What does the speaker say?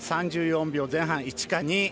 ３４秒前半、１か２。